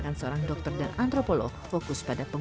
jadi salah satu hal yang saya lakukan adalah